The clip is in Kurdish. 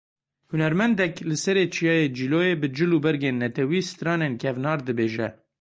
Hunermendek li serê Çiyayê Cîloyê bi cilûbergên netewî stranên kevnar dibêje.